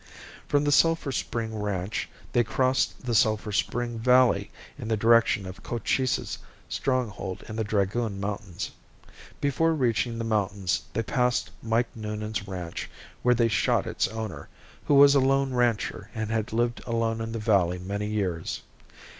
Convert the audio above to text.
From the Sulphur Spring ranch they crossed the Sulphur Spring valley in the direction of Cochise's stronghold in the Dragoon mountains. Before reaching the mountains they passed Mike Noonan's ranch where they shot its owner, who was a lone rancher and had lived alone in the valley many years.